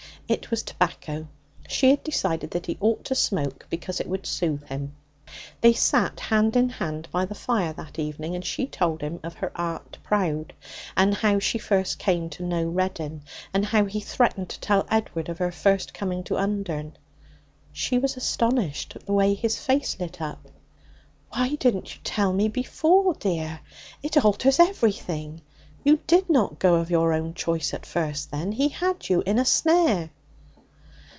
It was tobacco. She had decided that he ought to smoke, because it would soothe him. They sat hand in hand by the fire that evening, and she told him of her aunt Prowde, and how she first came to know Reddin, and how he threatened to tell Edward of her first coming to Undern. She was astonished at the way his face lit up. 'Why didn't you tell me that before, dear? It alters everything. You did not go of your own choice at first, then. He had you in a snare.'